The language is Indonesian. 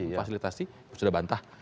memfasilitasi sudah bantah